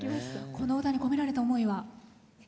この歌に込められた思いは？